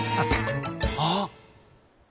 「あっ。